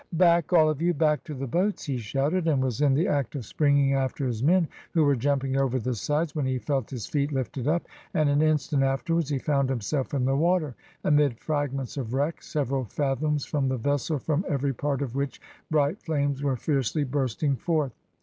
"Back, all of you! Back to the boats!" he shouted, and was in the act of springing after his men, who were jumping over the sides, when he felt his feet lifted up, and an instant afterwards he found himself in the water, amid fragments of wreck, several fathoms from the vessel, from every part of which bright flames were fiercely bursting forth.